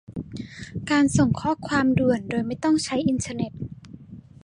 การส่งข้อความด่วนโดยไม่ต้องใช้อินเทอร์เน็ต